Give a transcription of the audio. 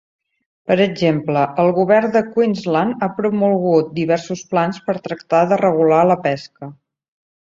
Per exemple, el govern de Queensland ha promulgat diversos plans per tractar de regular la pesca.